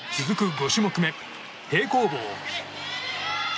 ５種目め、平行棒。